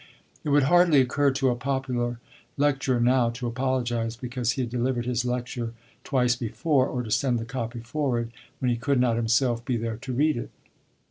It would hardly occur to a popular lecturer now to apologize because he had delivered his lecture twice before, or to send the copy forward, when he could not himself be there to read it.